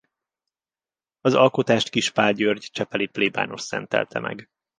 Az alkotást Kispál György csepeli plébános szentelte meg.